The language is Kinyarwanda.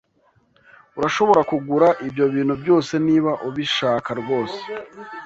Urashobora kugura ibyo bintu byose niba ubishaka rwose.